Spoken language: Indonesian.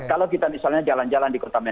kalau kita misalnya jalan jalan di kota medan